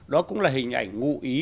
đó cũng là hình ảnh ngụ ý